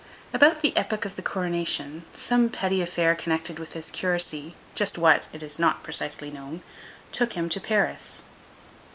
About the epoch of the coronation, some petty affair connected with his curacy—just what, is not precisely known—took him to Paris.